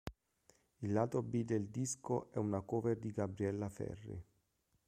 Il lato B del disco è una cover di Gabriella Ferri.